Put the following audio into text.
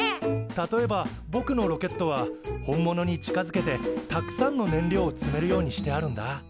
例えばぼくのロケットは本物に近づけてたくさんの燃料を積めるようにしてあるんだ。